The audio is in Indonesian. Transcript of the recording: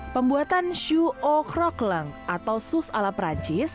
pembuatan sous au croquelain atau sus ala perancis